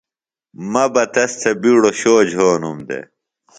مہ بہ تس تھےۡ بِیڈوۡ شو جھونُم دےۡ